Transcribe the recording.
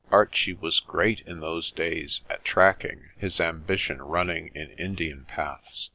Archie was great in those days at tracking, his ambition running in Indian paths.